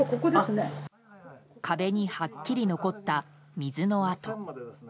壁にはっきり残った水の跡。